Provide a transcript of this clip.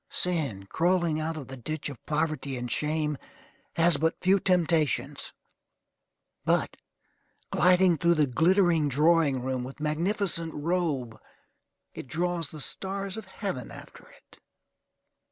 Sin, crawling out of the ditch of poverty and shame, has but few temptations; but, gliding through the glittering drawing room with magnificent robe, it draws the stars of heaven after it.